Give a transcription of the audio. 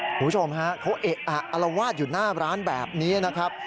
คุณผู้ชมฮะอัลวาสอยู่หน้าร้านแบบนี้นะครับ